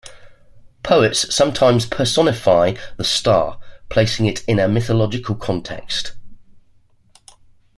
Poets sometimes personify the star, placing it in a mythological context.